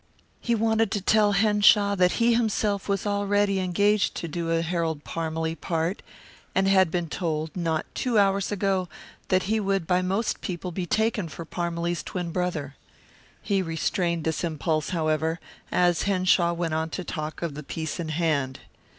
He wanted to tell Henshaw that he himself was already engaged to do a Harold Parmalee part, and had been told, not two hours ago, that he would by most people be taken for Parmalee's twin brother. He restrained this impulse, however, as Henshaw went on to talk of the piece in hand.